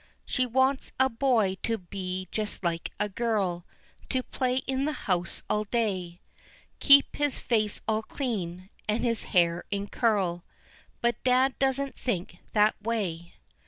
She wants a boy to be just like a girl, To play in the house all day, Keep his face all clean, and his hair in curl, But dad doesn't think that way.